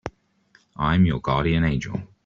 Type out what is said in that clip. I'm your guardian angel.